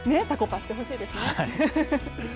たこパしてほしいですね。